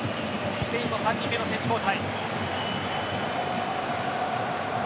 スペイン３人目の選手交代。